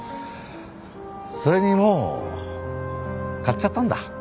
それにもう買っちゃったんだ